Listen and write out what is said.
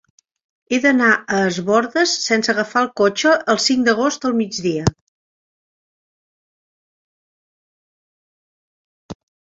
He d'anar a Es Bòrdes sense agafar el cotxe el cinc d'agost al migdia.